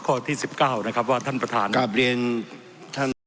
ข้อที่๑๙นะครับว่าท่านประธานกลับเรียนท่าน